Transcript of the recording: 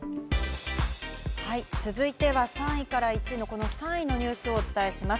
続いては３位から１位の、この３位のニュースをお伝えします。